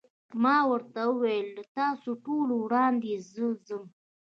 ما ورته وویل: له تاسو ټولو وړاندې زه ځم.